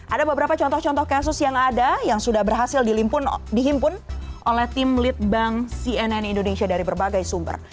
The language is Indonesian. ada beberapa contoh contoh kasus yang ada yang sudah berhasil dihimpun oleh tim lead bank cnn indonesia dari berbagai sumber